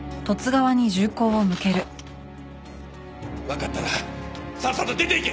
わかったらさっさと出ていけ！